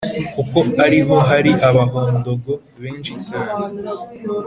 kuko ari ho hari abahondogo benshi cyane.